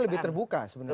itu lebih terbuka sebenarnya